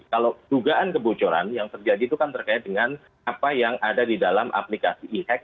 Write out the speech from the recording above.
kalau dugaan kebocoran yang terjadi itu kan terkait dengan apa yang ada di dalam aplikasi e hack